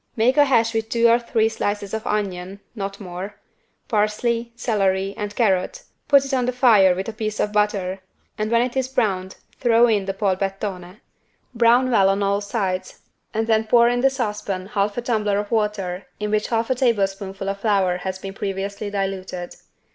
Make a hash with two or three slices of onion (not more) parsley, celery, and carrot, put it on the fire with a piece of butter and when it is browned throw in the =Polpettone=. Brown well on all sides and then pour in the saucepan half a tumbler of water in which half a tablespoonful of flour has been previously diluted.